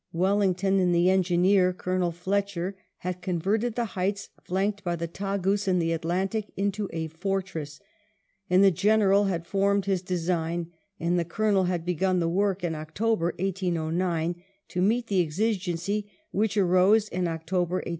Wellington and the engineer. Colonel Fletcher, had converted the heights flanked by the Tagus and the Atlantic into a fortress, and the General had formed his design and the Colonel had begun the work in October, 1809, to meet the exigency which arose in October, 1810.